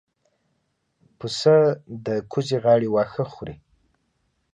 پسه د کوزې غاړې واښه خوري.